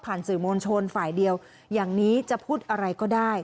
สื่อมวลชนฝ่ายเดียวอย่างนี้จะพูดอะไรก็ได้